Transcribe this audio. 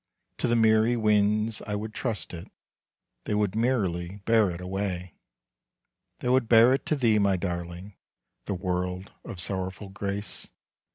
To the merry winds I would trust it, They would merrily bear it away. They would bear it to thee, my darling, The word of sorrowful grace.